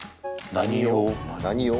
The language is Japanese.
何用？